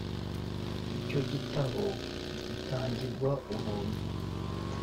Icyo gitabo gitangirwa ubuntu